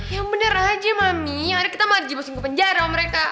ya bener aja mami yang ada kita mah ada jempol singkong penjara sama mereka